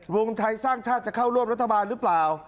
วงไทยสร้างชาติจะเข้าร่วมรัฐบาลหรือเปล่า